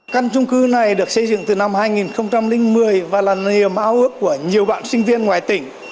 căn trung cư này được xây dựng từ năm hai nghìn một mươi và là niềm ao ước của nhiều bạn sinh viên ngoài tỉnh